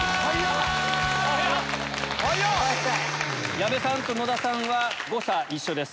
矢部さんと野田さんは誤差一緒です。